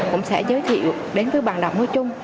cũng sẽ giới thiệu đến với bạn đọc nói chung